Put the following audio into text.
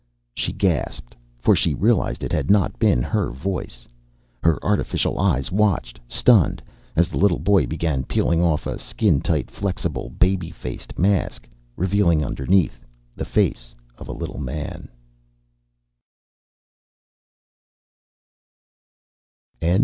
She gasped for she realized it had not been her voice. Her artificial eyes watched, stunned, as the little boy began peeling off a skin tight, flexible baby faced mask, revealing underneath the face of a little man.